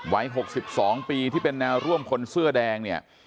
วัย๖๒ปีที่เป็นแนวร่วมคนเสื้อแดงเนี่ย